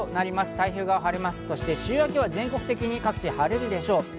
太平洋側は晴れます、週明けは全国的に各地、晴れるでしょう。